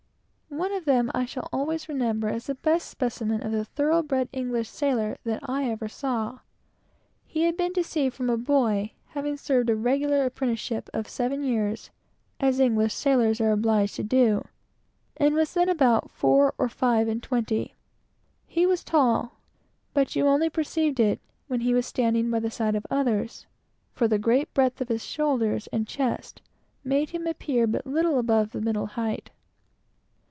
One of them I shall always remember as the best specimen of the thoroughbred English sailor that I ever saw. He had been to sea from a boy, having served a regular apprenticeship of seven years, as all English sailors are obliged to do, and was then about four or five and twenty. He was tall; but you only perceived it when he was standing by the side of others, for the great breadth of his shoulders and chest made him appear but little above the middle height.